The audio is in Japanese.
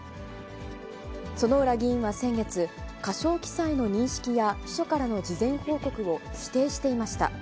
薗浦議員は先月、過少記載の認識や秘書からの事前報告を否定していました。